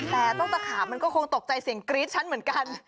แต่ต้นตะขาบมันก็คงตกใจเสียงกรี๊ดฉันเหมือนกัน